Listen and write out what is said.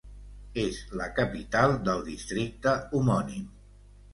És la capital del districte homònim.